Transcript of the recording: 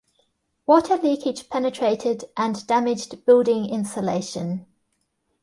Water leakage penetrated, and damaged building insulation.